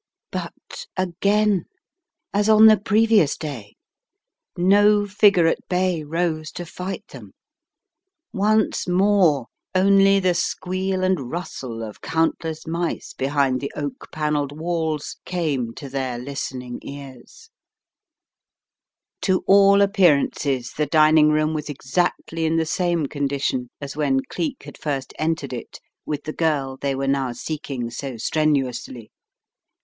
But again, as on the previous day, no figure at bay rose to fight them. Once more only the squeal and rustle of countless mice behind the oak panelled Walls came to their listening ears. To all appearances the dining room was exactly 116 The Riddle of the Purple Emperor in the same condition as when Cleek had first entered it with the girl they now were seeking so strenuously.